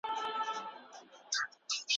اقتصادي پالیسي باید واضحه وي.